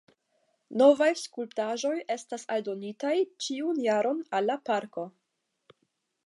Novaj skulptaĵoj estas aldonitaj ĉiun jaron al la parko.